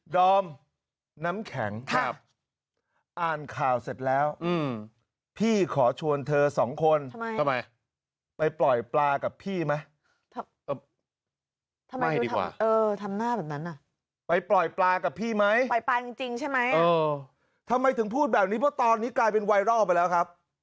ดอมน้ำแข็งอ่านข่าวเสร็จแล้วพี่ขอชวนเธอสองคนไปปล่อยปลากับพี่ไหมไปปล่อยปลากับพี่ไหมทำไมถึงพูดแบบนี้เพราะตอนนี้กลายเป็นไวรอลไปแล้วครับ